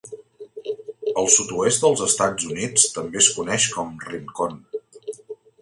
Al sud-oest dels Estats Units també es coneix com "rincon".